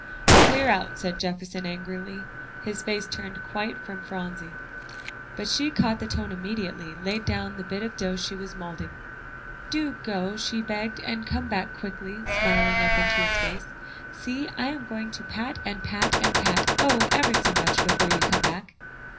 "Clear out," said Jefferson angrily, his face turned quite from Phronsie. But she caught the tone and immediately laid down the bit of dough she was moulding. "Do go," she begged, "and come back quickly," smiling up into his face. "See, I'm going to pat and pat and pat, oh! ever so much before you come back."